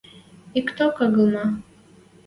— Икток агыл ма?